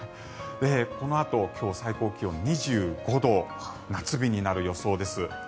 このあと今日、最高気温２５度夏日になる予想です。